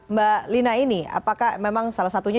mbak lina ini apakah memang salah satunya